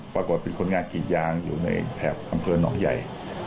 ประกวดเป็นควรงานกิจยางที่อยู่ในแถบกันเกินน้องใหญ่